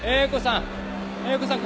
英子さん。